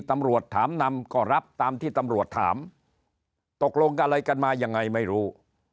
ตำรวจถามนำก็รับตามที่ตำรวจถามตกลงอะไรกันมายังไงไม่รู้